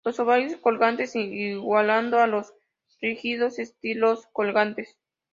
Los ovarios colgantes igualando a los rígidos estilos colgantes.